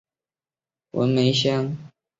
文梅香越南女歌手。